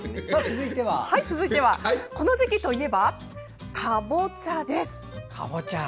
続いてはこの時期といえば、かぼちゃです。